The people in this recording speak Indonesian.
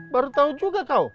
baru tahu juga kau